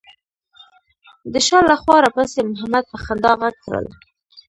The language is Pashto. د شا له خوا راپسې محمد په خندا غږ کړل.